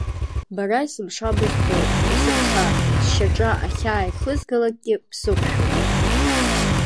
Бара есымша бызбон, есымша, сшьаҿа ахьааихызгалакгьы бсықәшәон.